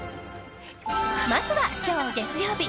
まずは今日、月曜日。